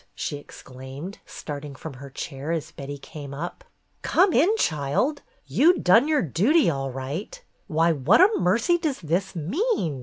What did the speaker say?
she exclaimed, starting from her chair as Betty came up. "Come in, child. You done your duty, all right. Why, what a mercy does this mean